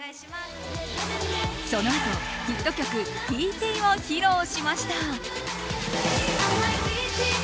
そのあと、ヒット曲「ＴＴ」を披露しました。